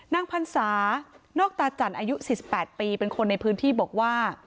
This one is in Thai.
พันศานอกตาจันทร์อายุ๔๘ปีเป็นคนในพื้นที่บอกว่า